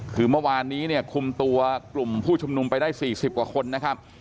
คือเมื่อวานนี้เนี่ยคุมตัวกลุ่มผู้ชุมนุมไปได้๔๐กว่าคนนะครับ